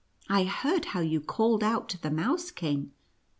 I heard how you called out to the Mouse King.